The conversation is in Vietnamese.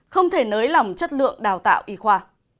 không thể nới lỏng chất lượng đào tạo y khoa